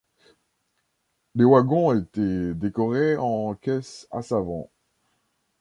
Les wagons étaient décorés en caisses à savon.